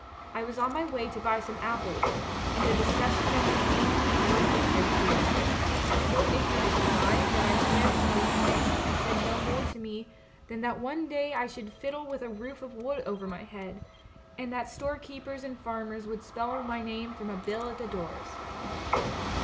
I was on my way to buy some apples, and the discussion that detained me bored me a great deal. So ignorant was I, that I 182 THE MAX WHO UXDERSTOOD WOMEN swear to you 'Fame' said no more to me than that one day I should fiddle with a roof of wood over my head, and that storekeepers and farmers would spell my name from a bill at the doors.